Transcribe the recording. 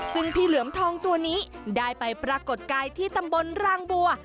ซึ่งพี่เหลือมทองตัวนี้ได้ไปปรากฏกายที่ตำบลรางบัว